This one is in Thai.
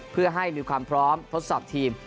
เพื่อให้มีความพร้อมทดสอบทีม